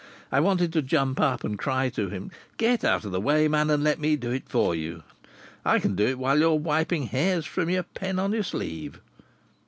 I wanted to jump up and cry to him: "Get out of the way, man, and let me do it for you! I can do it while you are wiping hairs from your pen on your sleeve."